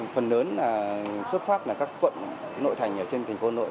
phần lớn là xuất phát là các quận nội thành ở trên thành phố nội